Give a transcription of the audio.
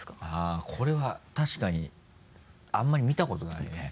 あぁこれは確かにあんまり見たことないね。